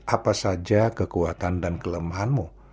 apa saja kekuatan dan kelemahanmu